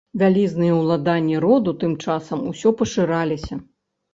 Вялізныя ўладанні роду тым часам усё пашыраліся.